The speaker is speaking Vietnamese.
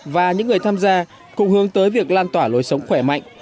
và những người tham gia cũng hướng tới việc lan tỏa lối sống khỏe mạnh